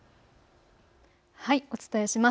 お伝えします。